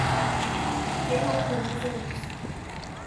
Quem organiza isso?